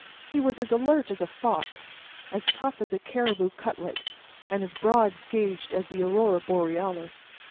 He was as alert as a fox, as tough as a caribou cutlet and as broad gauged as the aurora borealis.